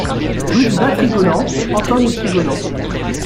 Rue du Bas Trigonant, Antonne-et-Trigonant